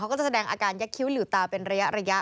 ก็จะแสดงอาการยักษ์คิ้วหลิวตาเป็นระยะ